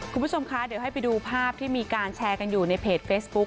คุณผู้ชมคะเดี๋ยวให้ไปดูภาพที่มีการแชร์กันอยู่ในเพจเฟซบุ๊ค